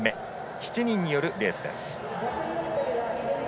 ７人によるレース。